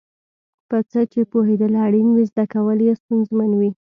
په څه چې پوهېدل اړین وي زده کول یې ستونزمن وي.